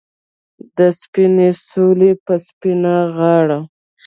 د سپینې سولې په سپینه غاړه